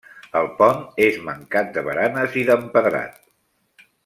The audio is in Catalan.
El pont és mancat de baranes i d'empedrat.